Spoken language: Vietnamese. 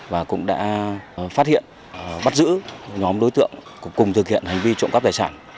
và cũng đã phát hiện bắt giữ nhóm đối tượng cùng thực hiện hành vi trộm cắp tài sản